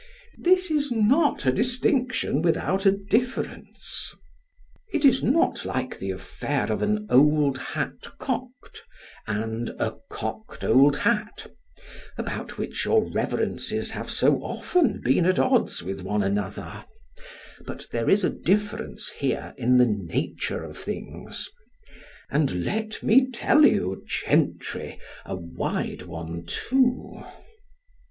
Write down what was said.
_ This is not a distinction without a difference. It is not like the affair of an old hat cock'd——and a cock'd old hat, about which your reverences have so often been at odds with one another——but there is a difference here in the nature of things—— And let me tell you, gentry, a wide one too.